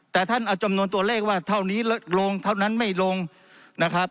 แต่ท่านเอาจำนวนตัวเลขว่าเท่านี้ลงเท่านั้นไม่ลงนะครับ